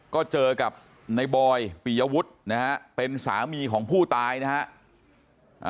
ก็เจอกับในบอยปียวุฒินะฮะเป็นสามีของผู้ตายนะฮะ